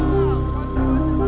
tidak ada yang tahu